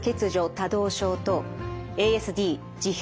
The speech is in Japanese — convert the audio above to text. ・多動症とＡＳＤ自閉